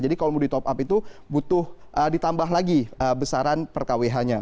jadi kalau mau di top up itu butuh ditambah lagi besaran per kwh nya